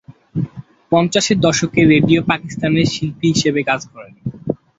পঞ্চাশের দশকে রেডিও পাকিস্তানের শিল্পী হিসেবে কাজ করেন।